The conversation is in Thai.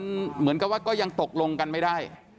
จะไม่เคลียร์กันได้ง่ายนะครับ